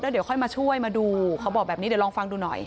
เดี๋ยวค่อยมาช่วยมาดูเขาบอกแบบนี้เดี๋ยวลองฟังดูหน่อย